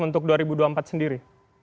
untuk dua ribu dua puluh empat sendiri